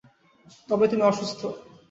তবে তুমি অসুস্থ।